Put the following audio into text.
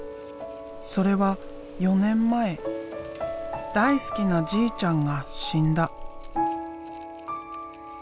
それは４年前大好きなじいちゃんが死んだ。